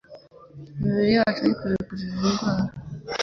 imibiri yacu kandi tukikururira indwara.